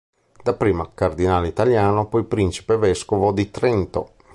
Dapprima cardinale italiano poi principe vescovo di Trento.